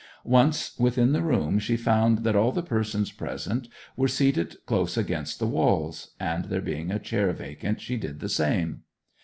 Once within the room she found that all the persons present were seated close against the walls, and there being a chair vacant she did the same.